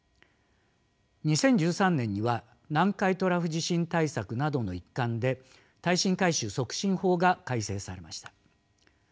２０１３年には南海トラフ地震対策などの一環で耐震改修促進法が改正されました。